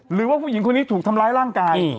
หรือว่าผู้หญิงคนนี้ถูกทำร้ายร่างกาย